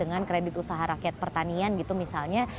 dengan kredit usaha rakyat pertanian gitu misalnya